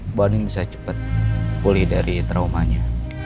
mbak andien bisa cepet pulih dari traumanya